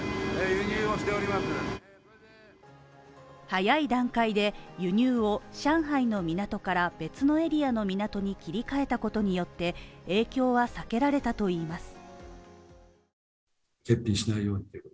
早い段階で輸入を上海の港から別のエリアの港に切り替えたことによって影響は避けられたといいます。